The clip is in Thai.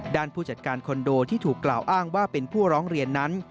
ผู้จัดการคอนโดที่ถูกกล่าวอ้างว่าเป็นผู้ร้องเรียนนั้น